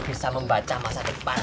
bisa membaca masa depan